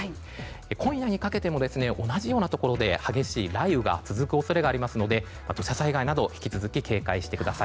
今夜にかけても同じようなところで激しい雷雨が続く恐れがありますので土砂災害など引き続き警戒してください。